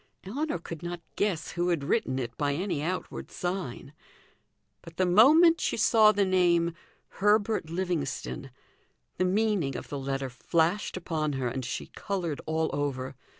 Ellinor could not guess who had written it by any outward sign; but the moment she saw the name "Herbert Livingstone," the meaning of the letter flashed upon her and she coloured all over.